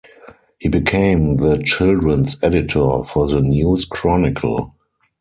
He became the children's editor for the "News Chronicle".